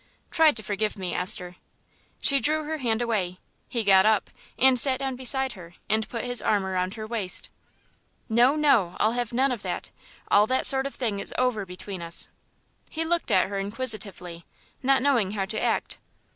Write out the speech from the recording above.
"Try to forgive me, Esther." She drew her hand away; he got up, and sat down beside her, and put his arm around her waist. "No, no. I'll have none of that. All that sort of thing is over between us." He looked at her inquisitively, not knowing how to act.